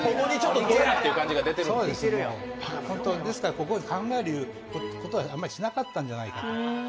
ここを考えることはあまりしなかったんじゃないかと。